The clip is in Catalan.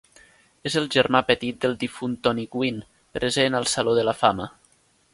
És el germà petit del difunt Tony Gwynn, present al Saló de la Fama.